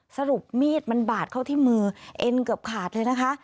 สรุปมีดมันบาดเข้าที่มือเอ็นเกือบขาดเลยนะคะ